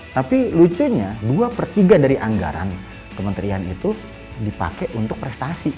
tapi lucunya dua per tiga dari anggaran kementerian itu dipakai untuk prestasi